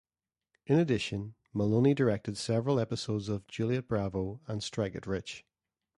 In addition, Maloney directed several episodes of "Juliet Bravo" and "Strike It Rich!